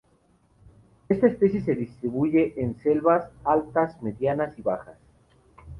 Esta especie se distribuye en selvas altas, medianas y bajas.